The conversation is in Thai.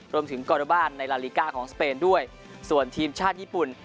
กรบ้านในลาลิกาของสเปนด้วยส่วนทีมชาติญี่ปุ่น